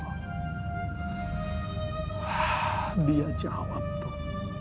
hah dia jawab tom